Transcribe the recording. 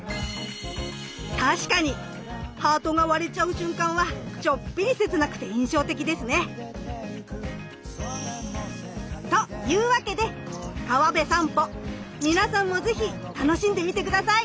確かにハートが割れちゃう瞬間はちょっぴり切なくて印象的ですね！というわけで川辺さんぽ皆さんも是非楽しんでみて下さい。